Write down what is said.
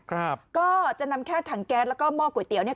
ครับก็จะนำแค่ถังแก๊สแล้วก็หม้อก๋วยเตี๋ยเนี่ย